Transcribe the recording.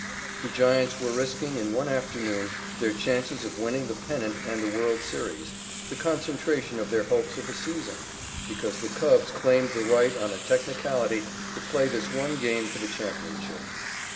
The Giants were risking, in one afternoon, their chances of winning the pennant and the world's series the concentration of their hopes of a season because the Cubs claimed the right on a technicality to play this one game for the championship.